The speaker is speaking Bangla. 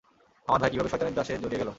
আমার ভাই কিভাবে শয়তানের দাসে জড়িয়ে গেল?